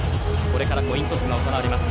これからコイントスが行われます。